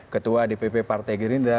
ketua dpp partai gerindra